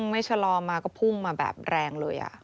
ไม่ชะลอมาก็พุ่งมาแบบแรงเลย